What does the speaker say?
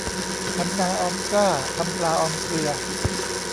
ทำนาออมกล้า ทำปลาออมเกลือ